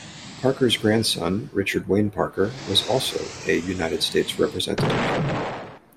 Parker's grandson, Richard Wayne Parker, was also a United States Representative.